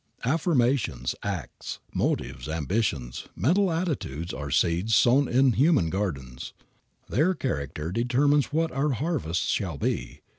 Affirmations, acts, motives, ambitions, mental attitudes are the seeds sown in human gardens. Their character determines what our harvests shall be.